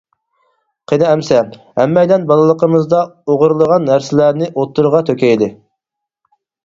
قېنى ئەمسە، ھەممەيلەن بالىلىقىمىزدا ئوغرىلىغان نەرسىلەرنى ئوتتۇرىغا تۆكەيلى!